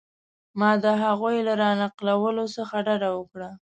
ما د هغوی له را نقلولو څخه ډډه وکړه.